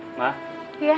dia selalu menghibur saya